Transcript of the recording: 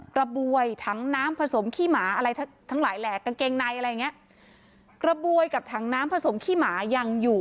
กระบวยถังน้ำผสมขี้หมาอะไรทั้งทั้งหลายแหลกกางเกงในอะไรอย่างเงี้ยกระบวยกับถังน้ำผสมขี้หมายังอยู่